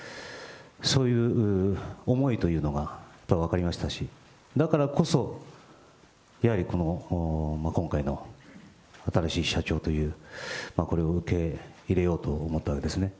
そういう思いというのが分かりましたし、だからこそ、やはりこの今回の新しい社長という、これを受け入れようと思ったんですね。